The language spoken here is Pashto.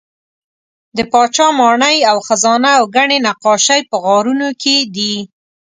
د پاچا ماڼۍ او خزانه او ګڼې نقاشۍ په غارونو کې دي.